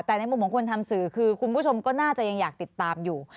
แต่ในมุมของคนทำสื่อคือคุณผู้ชมก็น่าจะยังอยากติดตามอยู่